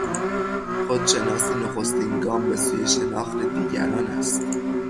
خودشناسی نخستین گام به سوی شناخت دیگران است.